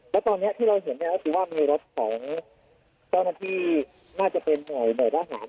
แล้วตอนนี้ที่เราเห็นเนี่ยก็คือว่ามีรถของเจ้าหน้าที่น่าจะเป็นหน่วยทหาร